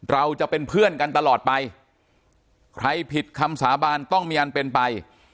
เราจะเป็นเพื่อนกันตลอดไปใครผิดคำสาบานต้องมีอันเป็นไป